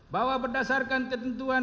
bahwa berdasarkan ketentuan